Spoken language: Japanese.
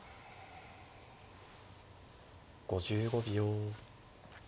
５５秒。